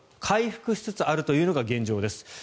回復しつつあるというのが現状です。